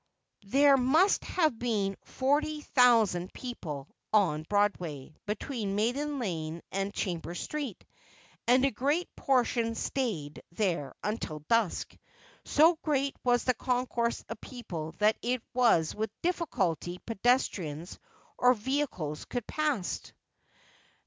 There must have been forty thousand people on Broadway, between Maiden Lane and Chambers Street, and a great portion stayed there until dusk. So great was the concourse of people that it was with difficulty pedestrians or vehicles could pass.